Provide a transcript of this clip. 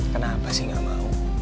kenapa sih gak mau